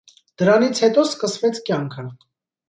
Դրանից հետո սկսվեց կյանքը։